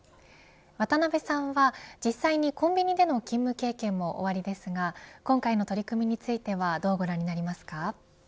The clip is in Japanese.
渡辺さんは実際にコンビニでの勤務経験もおありですが今回の取り組みについてはどうご覧になりますか。